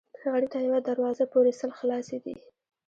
غریب ته یوه دروازه پورې سل خلاصې دي